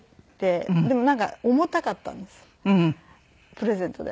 プレゼントで。